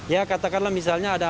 ya katakanlah misalnya ada